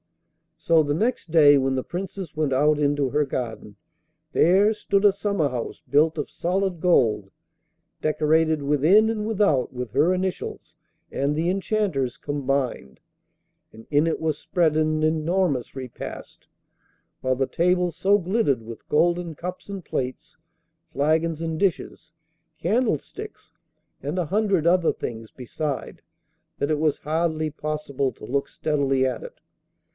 So the next day, when the Princess went out into her garden, there stood a summer house built of solid gold, decorated within and without with her initials and the Enchanter's combined. And in it was spread an enormous repast, while the table so glittered with golden cups and plates, flagons and dishes, candlesticks and a hundred other things beside, that it was hardly possible to look steadily at it.